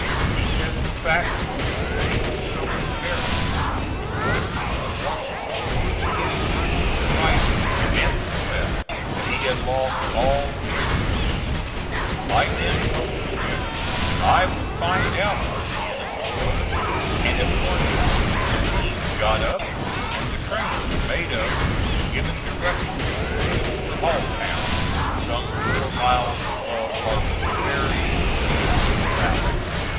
He said the fact was, that he was so embarrassed with orders from Washington moving him first to the right and then to the left that he had lost all trace of the enemy. I then told the general that I would find out where the enemy was, and at once ordered steam got up and trains made up, giving directions to push for Halltown, some four miles above Harper's Ferry, in the Shenandoah Valley.